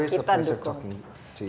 selalu berharga berbicara